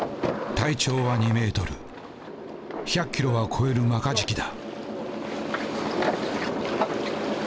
体長は２メートル１００キロは超えるマカジキだ。